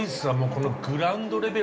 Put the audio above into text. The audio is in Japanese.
このグラウンドレベルで見る